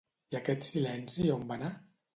I aquest silenci on va anar?